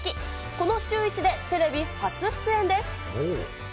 このシューイチで、テレビ初出演です。